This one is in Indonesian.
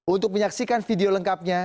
untuk menyaksikan video lengkapnya